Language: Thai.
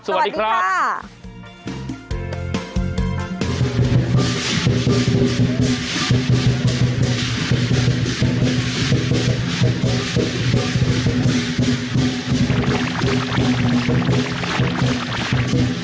สวัสดีครับ